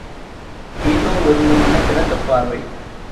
ஏதோ ஒருவிதமான கிறக்கப் பார்வை.